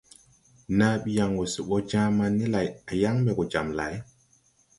Naa ɓi yaŋ wɔ se ɓɔ Jaaman ni lay, a yaŋ ɓɛ gɔ jam lay?